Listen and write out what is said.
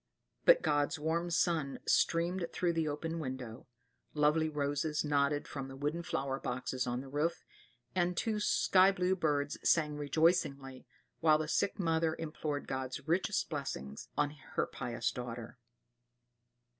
But God's warm sun streamed through the open window; lovely roses nodded from the wooden flower boxes on the roof, and two sky blue birds sang rejoicingly, while the sick mother implored God's richest blessings on her pious daughter.